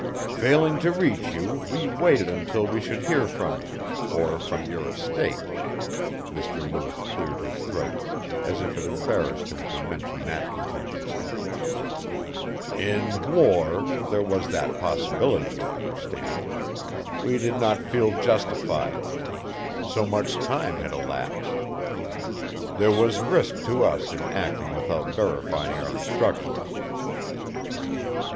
"Failing to reach you we waited until we should hear from you or from your estate." Mr. Lewis cleared his throat as if it embarrassed him to mention that contingency. "In war there was that possibility, you understand. We did not feel justified; so much time had elapsed. There was risk to us in acting without verifying our instructions."